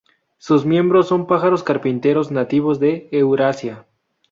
Sus miembros son pájaros carpinteros nativos de Eurasia.